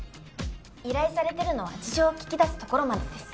依頼されているのは事情を聞き出すところまでです。